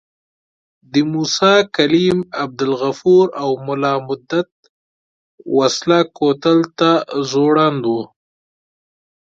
د موسی کلیم، عبدالغفور او ملا مدت وسله کوتل ته ځوړند وو.